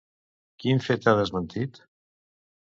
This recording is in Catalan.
Quin fet ha desmentit?